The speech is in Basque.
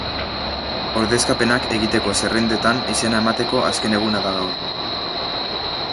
Ordezkapenak egiteko zerrendetan izena emateko azken eguna da gaur.